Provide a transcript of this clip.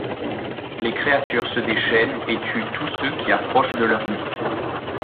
Les créatures se déchaînent et tuent tous ceux qui approchent de leur nid.